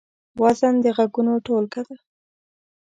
وزن د غږونو ټولګه ده.